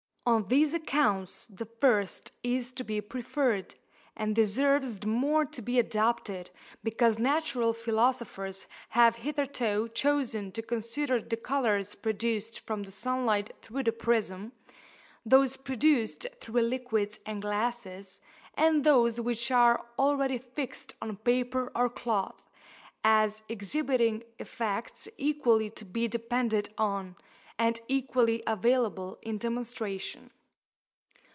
On these accounts the first is to be preferred, and deserves the more to be adopted because natural philosophers have hitherto chosen to consider the colours produced from the sun light through the prism, those produced through liquids and glasses, and those which are already fixed on paper or cloth, as exhibiting effects equally to be depended on, and equally available in demonstration.